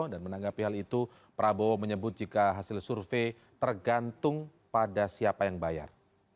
dan menanggapi hal itu prabowo menyebut jika hasil survei tergantung pada siapa yang bayar